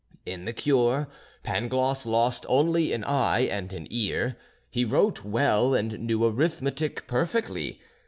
In the cure Pangloss lost only an eye and an ear. He wrote well, and knew arithmetic perfectly.